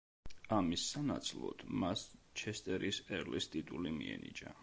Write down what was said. ამის სანაცვლოდ მას ჩესტერის ერლის ტიტული მიენიჭა.